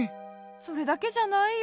それだけじゃないよ。